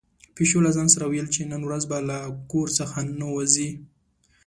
پيشو له ځان سره ویل چې نن ورځ به له کور څخه نه وځي.